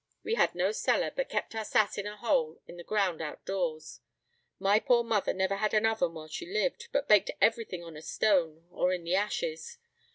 We had no cellar, but kept our sass in a hole in the ground out doors. My poor mother never had an oven while she lived, but baked everything on a stone, or in the ashes.